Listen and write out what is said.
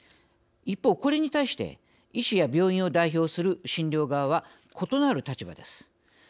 一方、これに対して医師や病院を代表する診療側は異なる立場です。